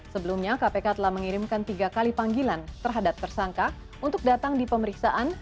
sebelumnya kpk telah mengirimkan tiga kali panggilan terhadap tersangka untuk datang di pemeriksaan